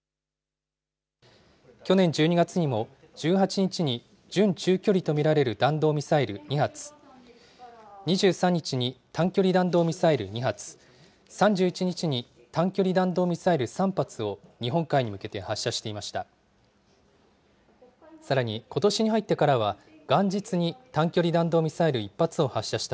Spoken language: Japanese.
去年１２月にも、１８日に準中距離と見られる弾道ミサイル２発、２３日に短距離弾道ミサイル２発、３１日に短距離弾道ミサイル３発を日本海に向けて発射していました。